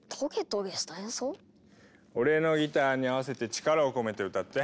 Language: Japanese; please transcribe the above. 俺のギターに合わせて力を込めて歌って。